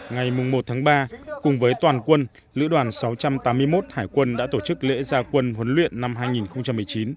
ngày một tháng ba cùng với toàn quân lữ đoàn sáu trăm tám mươi một hải quân đã tổ chức lễ gia quân huấn luyện năm hai nghìn một mươi chín